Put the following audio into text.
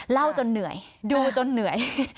เล่าจนเหนื่อยดูจนเหนื่อย